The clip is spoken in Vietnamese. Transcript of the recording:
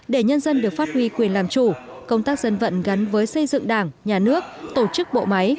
để nhân dân được phát huy quyền làm chủ công tác dân vận gắn với xây dựng đảng nhà nước tổ chức bộ máy